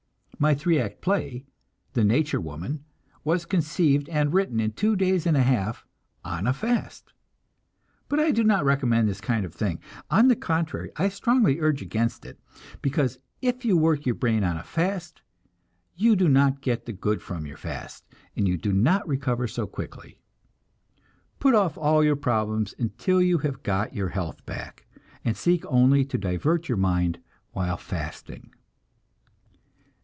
My three act play, "The Nature Woman," was conceived and written in two days and a half on a fast; but I do not recommend this kind of thing on the contrary, I strongly urge against it, because if you work your brain on a fast, you do not get the good from your fast, and do not recover so quickly. Put off all your problems until you have got your health back, and seek only to divert your mind while fasting.